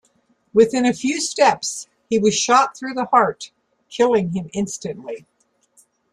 Within a few steps, he was shot through the heart, killing him instantly.